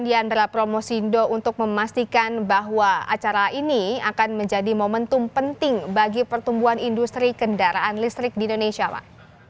di antara promosindo untuk memastikan bahwa acara ini akan menjadi momentum penting bagi pertumbuhan industri kendaraan listrik di indonesia pak